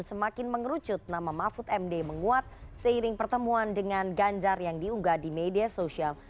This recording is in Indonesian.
semakin mengerucut nama mahfud md menguat seiring pertemuan dengan ganjar yang diunggah di media sosial